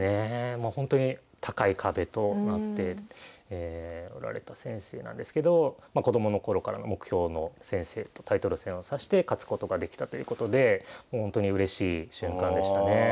もうほんとに高い壁となっておられた先生なんですけど子供の頃からの目標の先生とタイトル戦を指して勝つことができたということでもうほんとにうれしい瞬間でしたね。